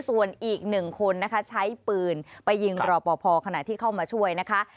ส่วนอีกหนึ่งคนนะคะใช้ปืนไปยิงรอปภขณะที่เข้ามาช่วยนะคะ